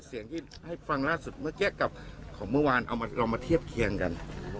เสียงที่ให้ฟังล่าสุดเมื่อกี้กับของเมื่อวานเอามาเรามาเทียบเคียงกัน